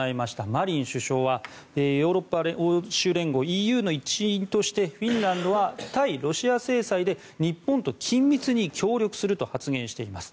マリン首相は欧州連合・ＥＵの一員としてフィンランドは対ロシア制裁で日本と緊密に協力すると発言しています。